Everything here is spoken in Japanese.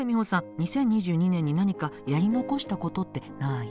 ２０２２年に何かやり残したことってない？